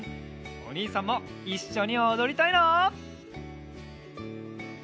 おにいさんもいっしょにおどりたいな！